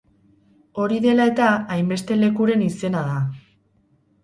Hori dela eta, hainbeste lekuren izena da.